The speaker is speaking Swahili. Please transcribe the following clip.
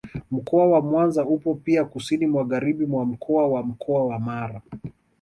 Mkoa wa Mwanza upo pia kusini magharibi mwa mkoa wa Mkoa wa Mara